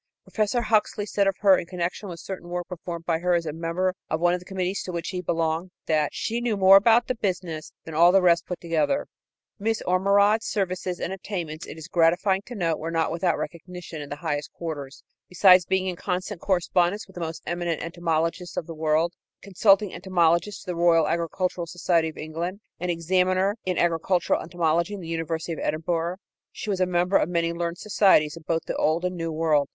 Professor Huxley said of her in connection with certain work performed by her as a member of one of the committees to which he belonged that "she knew more about the business" than all the rest put together. Miss Ormerod's services and attainments, it is gratifying to note, were not without recognition in high quarters. Besides being in constant correspondence with the most eminent entomologists of the world, consulting entomologist to the Royal Agricultural Society of England and examiner in agricultural entomology in the University of Edinburgh, she was a member of many learned societies in both the Old and the New World.